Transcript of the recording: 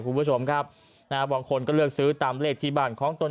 ผู้ผู้ชมครับบางคนก็เลือกซื้อตามเลขที่บ้านของตนเอง